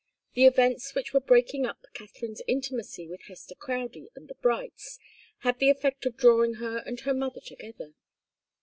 The events which were breaking up Katharine's intimacy with Hester Crowdie and the Brights had the effect of drawing her and her mother together.